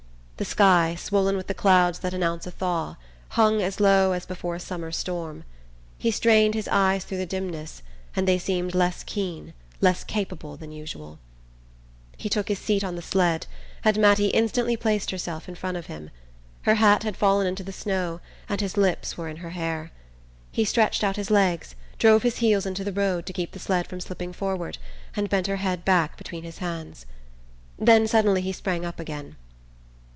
The sky, swollen with the clouds that announce a thaw, hung as low as before a summer storm. He strained his eyes through the dimness, and they seemed less keen, less capable than usual. He took his seat on the sled and Mattie instantly placed herself in front of him. Her hat had fallen into the snow and his lips were in her hair. He stretched out his legs, drove his heels into the road to keep the sled from slipping forward, and bent her head back between his hands. Then suddenly he sprang up again.